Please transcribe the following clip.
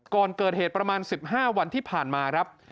ก่อนเกิดเหตุประมาณ๑๕วันที่ผ่านมาครับ